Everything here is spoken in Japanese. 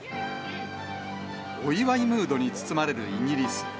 お祝いムードに包まれるイギリス。